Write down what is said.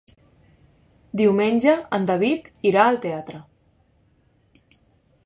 Diumenge en David irà al teatre.